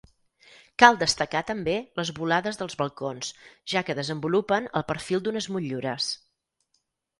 Cal destacar també les volades dels balcons, ja que desenvolupen el perfil d'unes motllures.